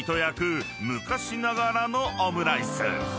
［昔ながらのオムライス］